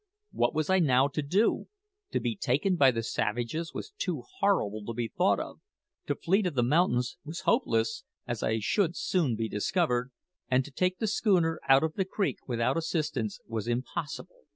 What was I now to do? To be taken by the savages was too horrible to be thought of; to flee to the mountains was hopeless, as I should soon be discovered; and to take the schooner out of the creek without assistance was impossible.